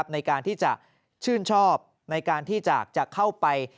ในการที่จะชื่นชอบในการที่จะเข้าไป